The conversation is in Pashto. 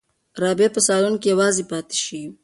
رابعه به په صالون کې یوازې پاتې شي.